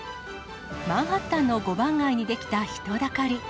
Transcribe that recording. マンハッタンの五番街に出来た人だかり。